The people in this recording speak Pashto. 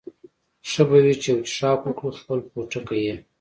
ښه به وي چې یو څښاک وکړو، خپل پوټکی یې.